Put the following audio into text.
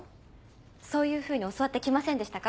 そういうふうに教わって来ませんでしたか？